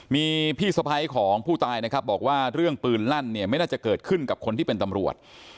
มีพี่สะพ้ายของผู้ตายนะครับบอกว่าเรื่องปืนลั่นเนี่ยไม่น่าจะเกิดขึ้นกับคนที่เป็นตำรวจ